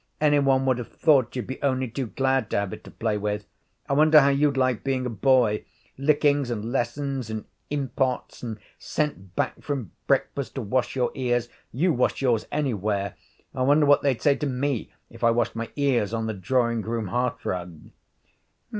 Any one would have thought you'd be only too glad to have it to play with. I wonder how you'd like being a boy? Lickings, and lessons, and impots, and sent back from breakfast to wash your ears. You wash yours anywhere I wonder what they'd say to me if I washed my ears on the drawing room hearthrug?'